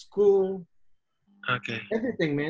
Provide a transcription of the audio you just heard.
sekolah segala galanya man